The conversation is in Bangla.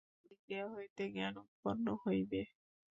প্রতিক্রিয়া হইতে জ্ঞান উৎপন্ন হইবে।